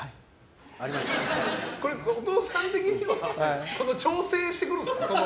これ、お父さん的には調整してくるんですか？